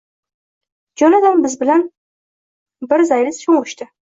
Jonatan bilan bir zayl sho‘ng‘ishdi.